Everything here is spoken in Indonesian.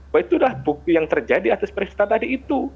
bahwa itulah bukti yang terjadi atas peristiwa tadi itu